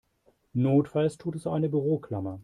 Notfalls tut es auch eine Büroklammer.